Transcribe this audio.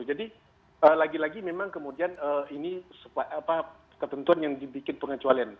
jadi lagi lagi memang kemudian ini ketentuan yang dibikin pengecualian